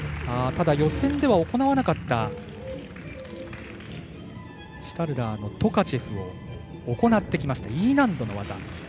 ただ、予選では行わなかったシュタルダーのトカチェフを行ってきました、Ｅ難度の技。